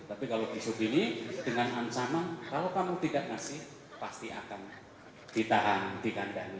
tapi kalau kisu gini dengan ansama kalau kamu tidak ngasih pasti akan ditahan dikandangin